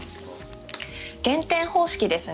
減点方式ですね。